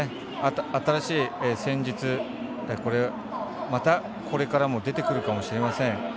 新しい戦術また、これからも出てくるかもしれません。